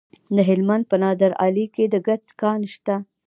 د هلمند په نادعلي کې د ګچ کان شته.